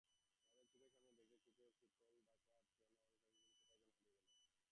আমাদের চোখের সামনে দেখতে দেখতে শীতের ঢাকার চেনা অনুষঙ্গগুলো কোথায় যেন হারিয়ে গেল।